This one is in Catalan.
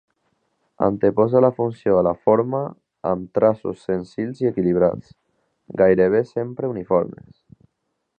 Anteposa la funció a la forma, amb traços senzills i equilibrats, gairebé sempre uniformes.